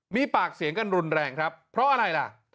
มีปากเสียงกันรุนแรงครับเพราะอะไรล่ะ